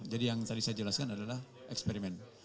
yang tadi saya jelaskan adalah eksperimen